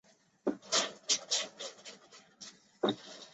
你不借我们钱的话